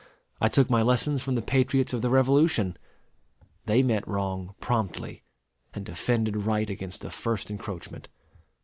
I took my lessons from the patriots of the Revolution. They met wrong promptly, and defended right against the first encroachment.